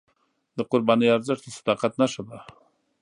د قربانۍ ارزښت د صداقت نښه ده.